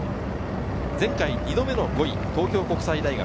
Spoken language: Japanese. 前回２度目の５位、東京国際大学。